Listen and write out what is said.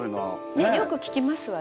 ねえよく聞きますわね。